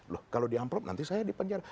loh kalau di amplop nanti saya dipenjara